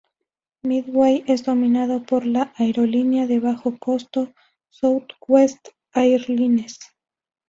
Midway es dominado por la aerolínea de bajo costo Southwest Airlines.